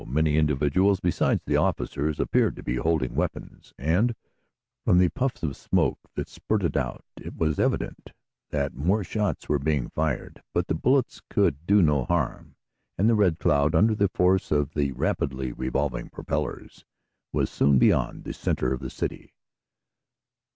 Many individuals beside the officers appeared to be holding weapons, and, from the puffs of smoke that spurted out, it was evident that more shots were being fired. But the bullets could do no harm, and the Red Cloud, under the force of the rapidly revolving propellers, was soon beyond the center of the city.